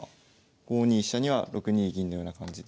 ５二飛車には６二銀のような感じで。